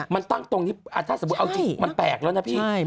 มันตั้งตรงนี้ถ้าสมมุติเอาจริงมันแปลกแล้วนะพี่